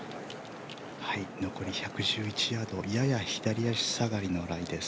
残り１１１ヤードやや左足下がりのライです。